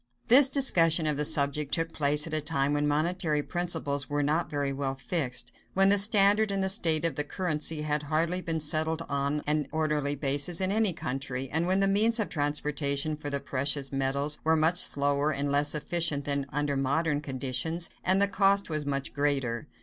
This discussion of the subject took place at a time when monetary principles were not very well fixed, when the standard and the state of the currency had hardly been settled on an orderly basis in any country, and when the means of transportation for the precious metals were much slower and less efficient than under modern conditions, and the cost was much greater.